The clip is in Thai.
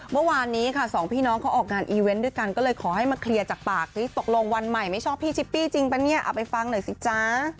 เมื่อวานนี้ค่ะสองพี่น้องเขาออกงานอีเวนต์ด้วยกันก็เลยขอให้มาเคลียร์จากปากซิตกลงวันใหม่ไม่ชอบพี่ชิปปี้จริงปะเนี่ยเอาไปฟังหน่อยสิจ๊ะ